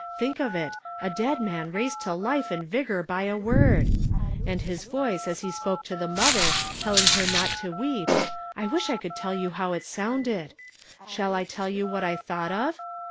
Think of it, a dead man raised to life and vigor by a word ! And his voice as lie spoke to the motlicr, telling her not to weep — I Avisli I could tell you how it sounded ! Shall I tell you what I thought of?